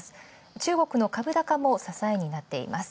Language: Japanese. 中国の株高も支えになっています。